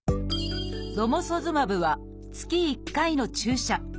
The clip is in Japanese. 「ロモソズマブ」は月１回の注射。